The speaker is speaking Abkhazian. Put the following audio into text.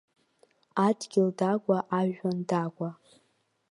Адгьыл дагәа, ажәҩан дагәа.